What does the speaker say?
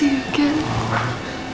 oh bagus bertemu lagi